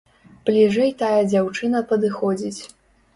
Бліжэй тая дзяўчына падыходзіць.